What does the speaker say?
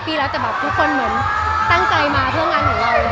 มีใครอยู่รอบอัมอย่างแท้ของนาย